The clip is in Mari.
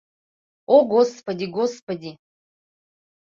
О, господи, господи!